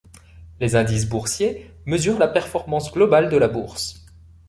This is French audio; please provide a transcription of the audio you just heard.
Les indices boursiers mesurent la performance globale de la bourse.